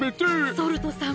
ソルトさん